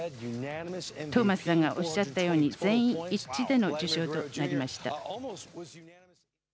トーマスさんがおっしゃったように全員一致での受賞となりました。